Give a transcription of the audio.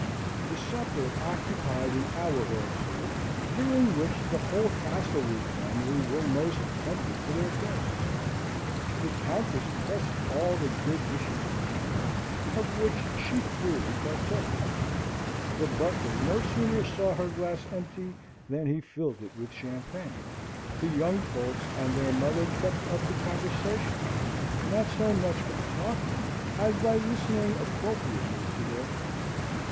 The supper occupied an hour or two, during which the whole Castlewood family were most attentive to their guest. The Countess pressed all the good dishes upon her, of which she freely partook: the butler no sooner saw her glass empty than he filled it with champagne: the young folks and their mother kept up the conversation, not so much by talking, as by listening appropriately to their friend.